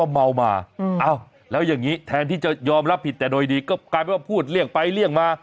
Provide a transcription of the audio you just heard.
เมามาแล้วอย่างนี้แทนที่จะยอมรับผิดแต่โดยดีก็กลายเป็นว่าพูดเรียกไปเลี่ยงมา